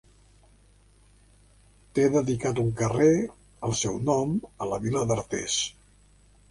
Té dedicat un carrer al seu nom a la vila d'Artés.